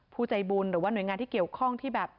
ใจบุญหรือว่าหน่วยงานที่เกี่ยวข้องที่แบบ